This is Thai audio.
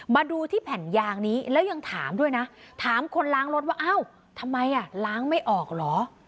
มาดูที่แผ่นยางนี้แล้วยังถามด้วยนะถามคนล้างรถว่าเอ้าทำไมอ่ะล้างไม่ออกเหรอ